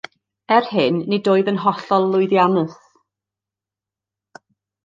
Er hyn, nid oedd yn hollol lwyddiannus